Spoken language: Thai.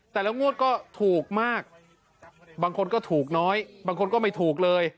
แต่ละงวดก็ถูกมากบางคนก็ถูกน้อยบางคนก็ไม่ถูกเลย